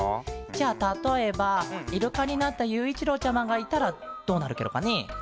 じゃあたとえばイルカになったゆういちろうちゃまがいたらどうなるケロかねえ？